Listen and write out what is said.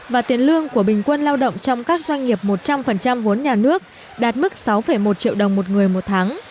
và tiền lương của bình quân lao động trong các doanh nghiệp một trăm linh vốn nhà nước đạt mức sáu một triệu đồng một người một tháng